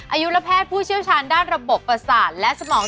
อายุและแพทย์ผู้เชี่ยวชาญด้านระบบประสาทและสมอง